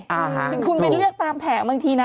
ถึงคุณไปตามแหล่งแผงบางทีนะ